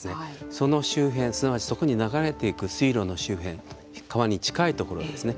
その周辺すなわちそこに流れていく水路の周辺川に近いところですね。